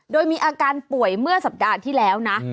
โดยมีอาการป่วยเมื่อสัปดาห์ที่แล้วนะ